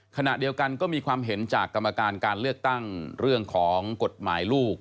ขณะเดียวกันก็มีความเห็นจากกรรมการการเลือกตั้งเรื่องของกฎหมายลูก